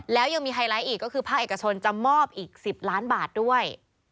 แล้วยังมีไฮไลท์อีกก็คือภาคเอกชนจะมอบอีก๑๐ล้านบาทด้วย